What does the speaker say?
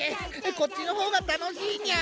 こっちのほうがたのしいニャ！